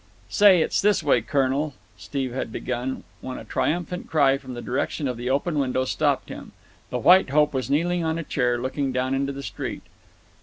"Say, it's this way, colonel," Steve had begun, when a triumphant cry from the direction of the open window stopped him. The White Hope was kneeling on a chair, looking down into the street.